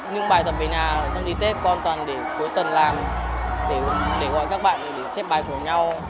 nhưng bài tập về nhà trong dịp tết con toàn để cuối tuần làm để gọi các bạn để chép bài của nhau